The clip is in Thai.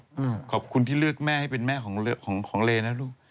ของแม่นะครับอืมขอบคุณที่เลือกแม่ให้เป็นแม่ของของของเลน่ะลูก